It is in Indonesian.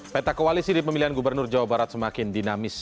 peta koalisi di pemilihan gubernur jawa barat semakin dinamis